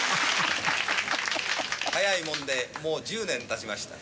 早いもんでもう１０年たちました。